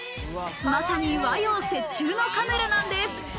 まさに和洋折衷のカヌレなんです。